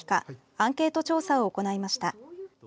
アンケート調査を行いました。